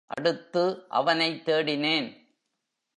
அடுத்து அவனைத் தேடினேன்.